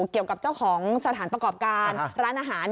เกี่ยวกับเจ้าของสถานประกอบการร้านอาหาร